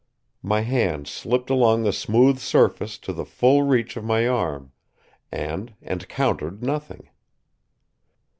My hand slipped along the smooth surface to the full reach of my arm; and encountered nothing.